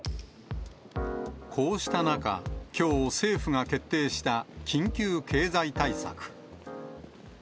こうした中、きょう政府が決定した緊急経済対策。